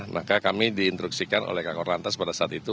maka kami diintruksikan oleh kak korlantas pada saat ini